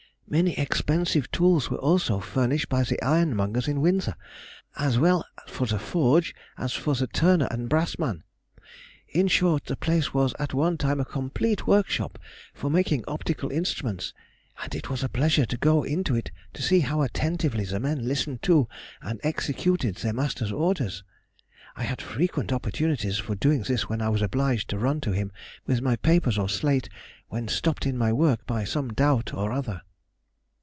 Many expensive tools also were furnished by the ironmongers in Windsor, as well for the forge as for the turner and brass man. In short, the place was at one time a complete workshop for making optical instruments, and it was a pleasure to go into it to see how attentively the men listened to and executed their master's orders; I had frequent opportunities for doing this when I was obliged to run to him with my papers or slate, when stopped in my work by some doubt or other.